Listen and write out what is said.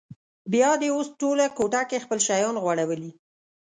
بیا دې اوس ټوله کوټه کې خپل شیان غوړولي.